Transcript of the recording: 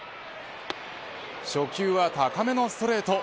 初球は高めのストレート。